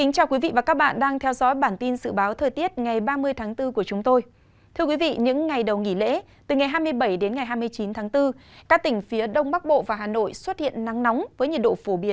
các bạn hãy đăng ký kênh để ủng hộ kênh của chúng tôi nhé